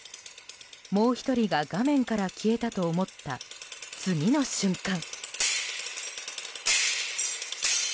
もう１人が画面から消えたと思った、次の瞬間。